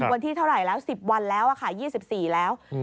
วันที่เท่าไหร่แล้ว๑๐วันแล้วค่ะ๒๔แล้ว